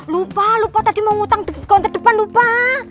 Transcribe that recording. lupa lupa tadi mau ngutang konten depan lupa